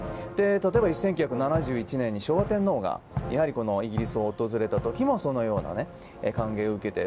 例えば１９７１年に昭和天皇がイギリスを訪れた時もそのような歓迎を受けて。